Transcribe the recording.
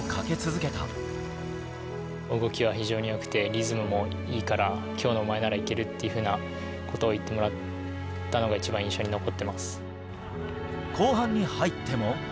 動きは非常によくて、リズムもいいから、きょうのお前ならいけるっていうふうなことを言ってもらったのが、後半に入っても。